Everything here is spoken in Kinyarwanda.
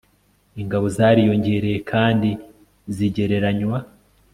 ingabo zariyongereye kandi ziregeranywa